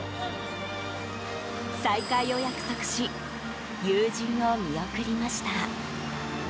再会を約束し友人を見送りました。